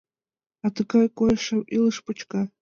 А тыгай койышым илыш почка.